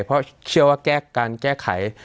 เพราะเชื่อว่าแก้การแก้ไข